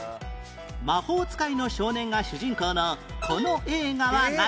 魔法使いの少年が主人公のこの映画は何？